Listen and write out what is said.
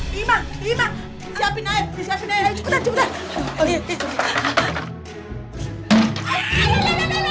bima gimana sih gak usah pakai ember bawa airnya